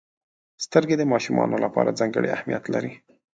• سترګې د ماشومانو لپاره ځانګړې اهمیت لري.